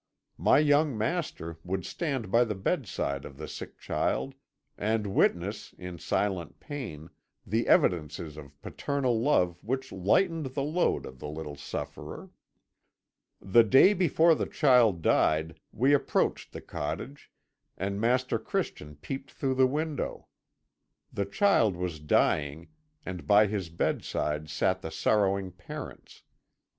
My young master would stand by the bedside of the sick child, and witness, in silent pain, the evidences of paternal love which lightened the load of the little sufferer. "The day before the child died we approached the cottage, and Master Christian peeped through the window. The child was dying, and by his bedside sat the sorrowing parents.